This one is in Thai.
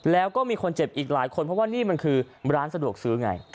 แล้วก็มีคนเจ็บอีกหลายคนเพราะว่านี่มันคือร้านสะดวกซื้อไง